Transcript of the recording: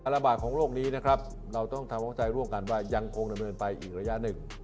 ระบากของโลกนี้เราต้องทำังใจว่ายังคงไปอีกระยะหนึ่ง